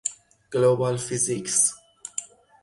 گلوبال فیزیکس